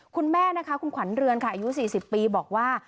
คุณแม่นะคะคุณขวัญเรือนค่ะอายุ๔๐ปีบอกว่า